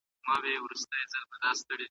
د اختر په ورځو کي د خوړو مسمومیت ولي ډیریږي؟